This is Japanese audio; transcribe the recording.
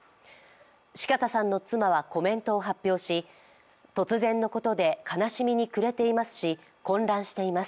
四方さんの妻はコメントを発表し、突然のことで悲しみに暮れていますし混乱しています。